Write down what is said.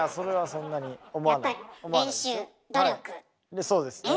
そうですね。